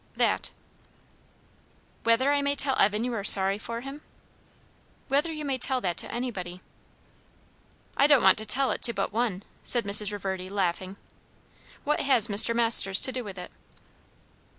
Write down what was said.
"That." "Whether I may tell Evan you are sorry for him?" "Whether you may tell that to anybody." "I don't want to tell it to but one," said Mrs. Reverdy, laughing. "What has Mr. Masters to do with it?"